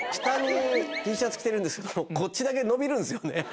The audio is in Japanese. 下にＴシャツ着てるんですけどこっちだけ伸びるんですよね。